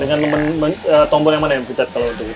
dengan tombol yang mana yang pecat kalau untuk itu